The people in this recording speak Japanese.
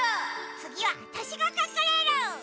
つぎはわたしがかくれる！